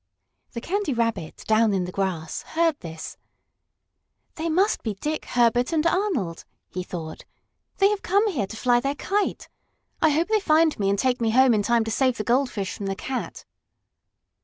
The Candy Rabbit, down in the grass, heard this. "They must be Dick, Herbert and Arnold," he thought. "They have come here to fly their kite. I hope they find me and take me home in time to save the goldfish from the cat."